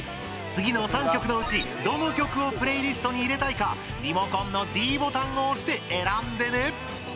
次の３曲のうち、どの曲をプレイリストに入れたいかリモコンのｄボタンを押して選んでね！